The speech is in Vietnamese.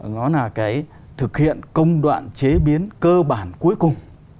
nó là cái thực hiện công đoạn chế biến cơ bản cuối cùng